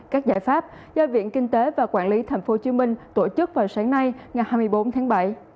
các giải pháp do viện kinh tế và quản lý tp hcm tổ chức vào sáng nay ngày hai mươi bốn tháng bảy